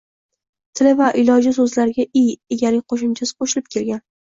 Tili va iloji soʻzlariga -i egalik qoʻshimchasi qoʻshilib boʻlgan